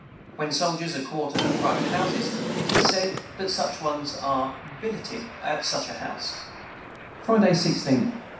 When soldiers are quartered at private houses, it is said that such ones are billeted at such a house, &c.] Friday 16th.